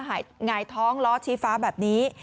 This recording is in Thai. หงายท้องล้อชี้ฟ้าแบบนี้